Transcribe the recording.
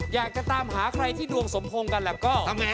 อยากจะตามหาใครที่ดวงสมพงษ์กันแล้วก็